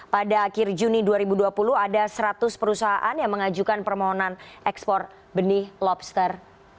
pada akhir juni dua ribu dua puluh ada seratus perusahaan yang mengajukan permohonan ekspor benih lobster